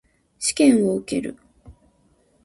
試験を受ける。